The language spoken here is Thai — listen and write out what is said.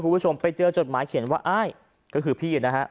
คุณผู้ชมไปเจอจดหมายเขียนว่าอ้ายก็คือพี่นะฮะ